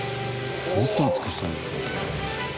もっと熱くしたい。